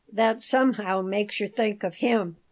That somehow makes you think of him.